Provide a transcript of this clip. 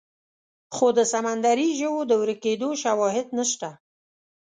خو د سمندري ژوو د ورکېدو شواهد نشته.